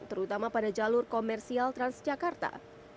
terutama pada jalur komersial transjakarta